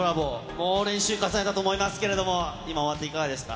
猛練習を重ねたと思いますけれども、今、終わっていかがですか？